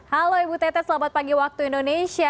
halo ibu tete selamat pagi waktu indonesia